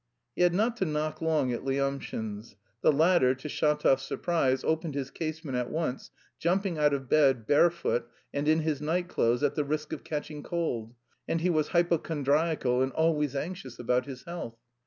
He had not to knock long at Lyamshin's; the latter, to Shatov's surprise, opened his casement at once, jumping out of bed, barefoot and in his night clothes at the risk of catching cold; and he was hypochondriacal and always anxious about his health.